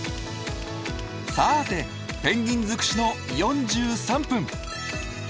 さあてペンギン尽くしの４３分。